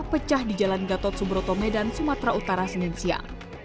pecah di jalan gatot subroto medan sumatera utara senin siang